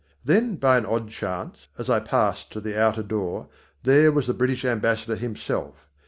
Then by an odd chance, as I passed to the outer door, there was the British Ambassador himself.